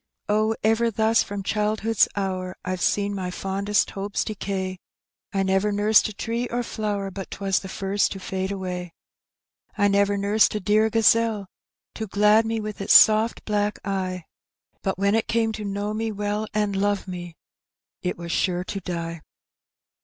Oh, ever thus from childhood's hour Fve seen my fondest hopes decay. I never nursed a tree or flower But 'twas the first to &Ae away; I never nursed a dear gazelle To glad me with its soft black eye, But when it came to know me well. And love me, it was sure to die.